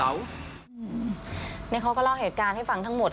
นี่เขาก็เล่าเหตุการณ์ให้ฟังทั้งหมด